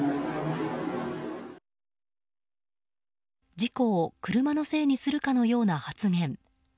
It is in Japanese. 事故を車のせいにするかのような発言。